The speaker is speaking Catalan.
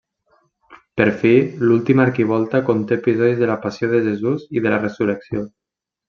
Per fi, l'última arquivolta conté episodis de la Passió de Jesús i de la Resurrecció.